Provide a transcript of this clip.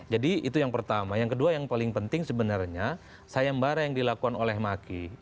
jadi itu yang pertama yang kedua yang paling penting sebenarnya sayembara yang dilakukan oleh maki